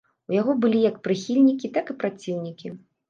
У яго былі як прыхільнікі, так і праціўнікі.